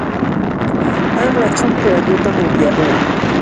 Qanla chumpi allqutam wipyaaluu.